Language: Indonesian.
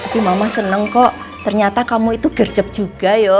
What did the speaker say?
tapi mama seneng kok ternyata kamu itu gercep juga ya